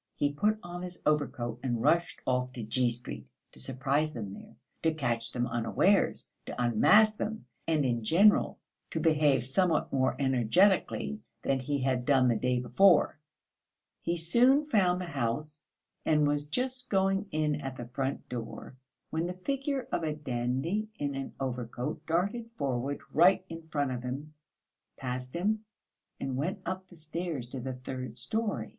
He put on his overcoat and rushed off to G. Street to surprise them there, to catch them unawares, to unmask them, and in general to behave somewhat more energetically than he had done the day before. He soon found the house, and was just going in at the front door, when the figure of a dandy in an overcoat darted forward right in front of him, passed him and went up the stairs to the third storey.